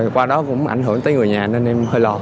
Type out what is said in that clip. qua đó cũng ảnh hưởng tới người nhà nên em hơi lot